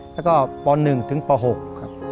แล้วก็ป๑๖ครับ